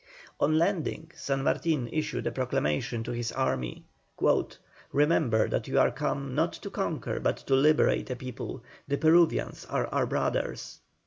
On landing San Martin issued a proclamation to his army: "Remember that you are come, not to conquer but to liberate a people; the Peruvians are our brothers."